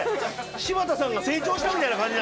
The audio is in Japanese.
柴田さんが成長したみたいな感じ。